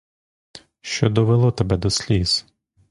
Що довело тебе до сліз?